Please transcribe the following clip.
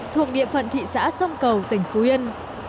thuộc địa phận thị xã sông cầu tỉnh phú yên